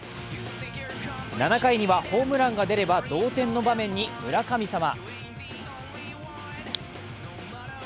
７回にはホームランが出れば同点の場面に村神様。